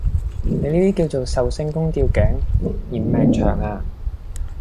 你呢啲叫做壽星公吊頸——嫌命長呀！